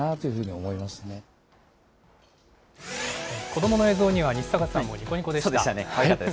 子どもの映像には西阪さんもにこにこでした。